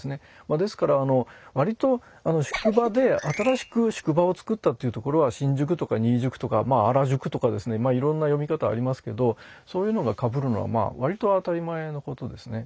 ですから割と宿場で新しく宿場を作ったっていう所は「しんじゅく」とか「にいじゅく」とか「あらじゅく」とかですねいろんな読み方ありますけどそういうのがかぶるのは割と当たり前のことですね。